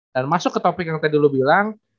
dan masuk ke topik yang tadi lu bilang